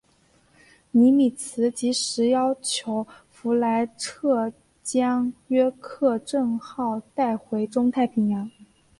尼米兹即时要求弗莱彻将约克镇号带回中太平洋。